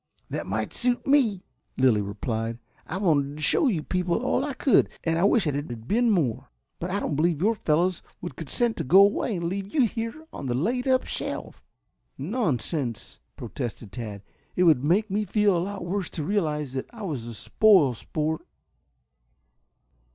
"That might suit me," Lilly replied. "I wanted to show you people all I could, and I wish it had been more. But I don't believe your fellows will consent to go away and leave you here on the laid up shelf." "Nonsense!" protested Tad. "It would make me feel a lot worse to realize that I was a spoil sport."